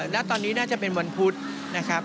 แล้วตอนนี้น่าจะเป็นวันพุธนะครับ